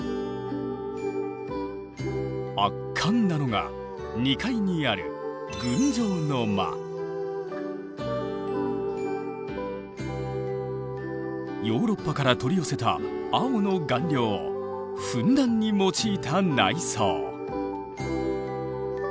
圧巻なのが２階にあるヨーロッパから取り寄せた青の顔料をふんだんに用いた内装。